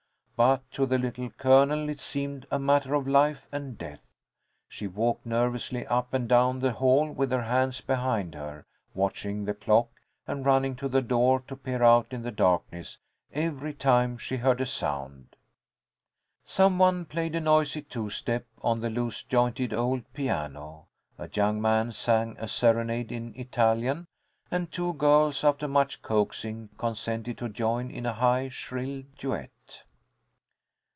But to the Little Colonel it seemed a matter of life and death. She walked nervously up and down the hall with her hands behind her, watching the clock and running to the door to peer out in the darkness, every time she heard a sound. Some one played a noisy two step on the loose jointed old piano. A young man sang a serenade in Italian, and two girls, after much coaxing, consented to join in a high, shrill duet.